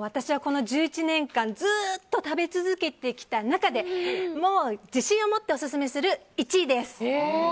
私がこの１１年間ずっと食べ続けてきた中で自信を持ってオススメする１位です！